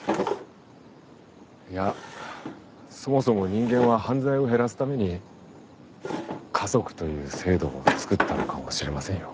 いやそもそも人間は犯罪を減らすために家族という制度をつくったのかもしれませんよ。